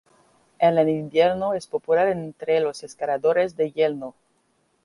En el invierno es popular entre los escaladores de hielo.